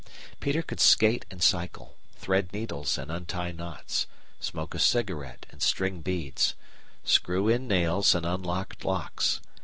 Peter could skate and cycle, thread needles and untie knots, smoke a cigarette and string beads, screw in nails and unlock locks.